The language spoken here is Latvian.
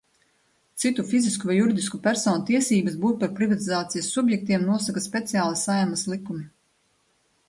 Citu fizisku vai juridisku personu tiesības būt par privatizācijas subjektiem nosaka speciāli Saeimas likumi.